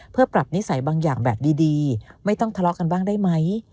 เพื่อปรับนิสัยบางอย่างแบบดีไม่ต้องทะเลาะกันบ้างได้ไหม